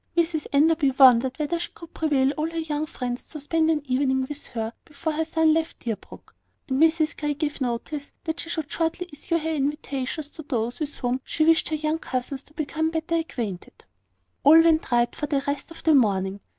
Mrs Enderby wondered whether she could prevail on all her young friends to spend an evening with her before her son left Deerbrook; and Mrs Grey gave notice that she should shortly issue her invitations to those with whom she wished her young cousins to become better acquainted. All went right for the rest of the morning.